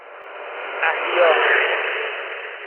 اَحیا